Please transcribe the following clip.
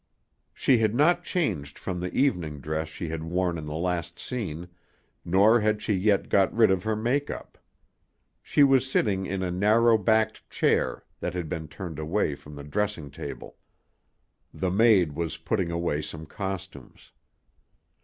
She had not changed from the evening dress she had worn in the last scene nor had she yet got rid of her make up. She was sitting in a narrow backed chair that had been turned away from the dressing table. The maid was putting away some costumes.